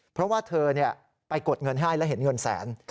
เพราะว่าเธอไปกดเงินให้แล้วเห็นเงินแสน